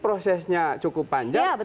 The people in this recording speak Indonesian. prosesnya cukup panjang